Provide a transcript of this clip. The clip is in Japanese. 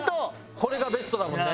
これがベストだもんね。